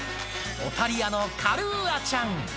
オタリアのカルーアちゃん。